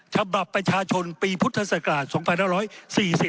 ฉบับประชาชนปีพุทธศักราช๒๕๔๐